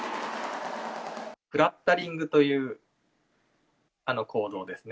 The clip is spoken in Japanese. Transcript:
クラッタリングという、行動ですね。